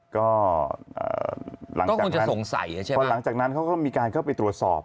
ก็หลังจากนั้นพอหลังจากนั้นเขาก็มีการเข้าไปตรวจสอบ